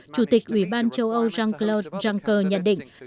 chủ tịch ủy ban châu âu jean claude juncker nhận định